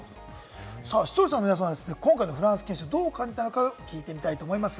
視聴者の皆さんは今回のフランス研修、どう感じたのか聞いてみたいと思います。